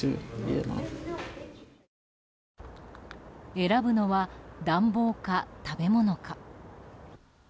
選ぶのは、暖房か食べ物か。